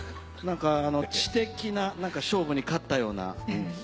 何か知的な勝負に勝ったような。